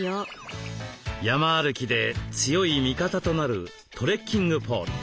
山歩きで強い味方となるトレッキングポール。